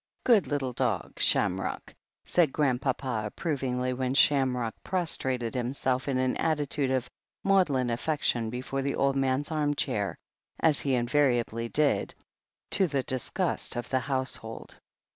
"Good little dog, Shamrock," said Grandpapa ap provingly, when Shamrock prostrated himself in an attitude of maudlin affection before the old man's arm chair, as he invariably did, to the disgust of the house hold.